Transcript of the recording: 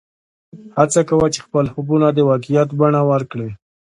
هڅه کوه چې خپل خوبونه د واقعیت بڼه ورکړې